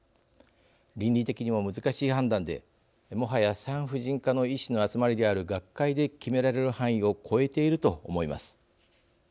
倫理的にも難しい判断でもはや産婦人科の医師の集まりである学会で決められる範囲を超えていると思います。